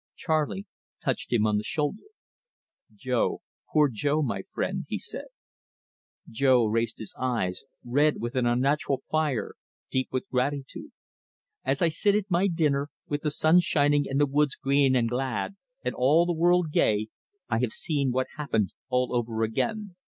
Charley touched him on the shoulder. "Jo poor Jo, my friend!" he said. Jo raised his eyes, red with an unnatural fire, deep with gratitude. "As I sit at my dinner, with the sun shining and the woods green and glad, and all the world gay, I have see what happened all over again.